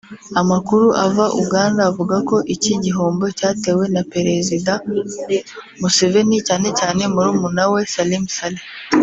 Amakuru ava Uganda avuga ko iki gihombo cyatewe na Perezida Museveni cyane cyane murumuna we Salim Saleh